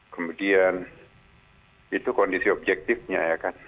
kemudian itu kondisi objektifnya ya kan